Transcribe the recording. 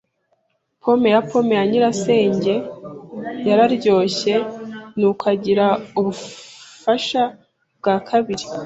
Pome ya pome ya nyirasenge yararyoshye, nuko agira ubufasha bwa kabiri.